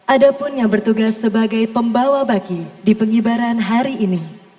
ada pun yang bertugas sebagai pembawa baki di pengibaran hari ini